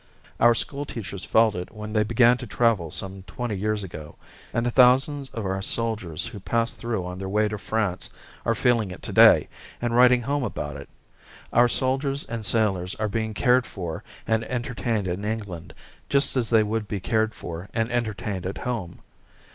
Our school teachers felt it when they began to travel some twenty years ago, and the thousands of our soldiers who pass through on their way to France are feeling it today, and writing home about it. Our soldiers and sailors are being cared for and entertained in England just as they would be cared for and entertained at home.